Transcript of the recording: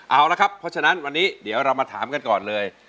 เอาละครับเพราะฉะนั้นวันนี้เดี๋ยวเรามาถามกันก่อนเลย